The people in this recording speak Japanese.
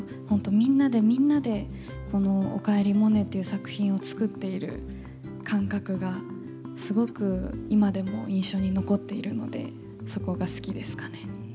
みんなでみんなで「おかえりモネ」っていう作品を作っている感覚がすごく今でも印象に残っているのでそこが好きですかね。